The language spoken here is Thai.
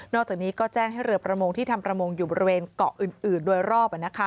จากนี้ก็แจ้งให้เรือประมงที่ทำประมงอยู่บริเวณเกาะอื่นโดยรอบ